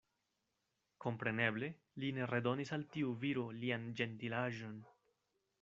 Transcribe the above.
Kompreneble li ne redonis al tiu viro lian ĝentilaĵon.